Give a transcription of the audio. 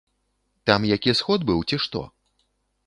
Там які сход быў, ці што?